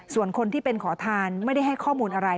ส่วนคนที่เป็นขอทานไม่ได้ให้ข้อมูลอะไร